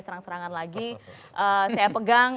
serang serangan lagi saya pegang